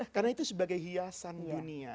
karena itu sebagai hiasan dunia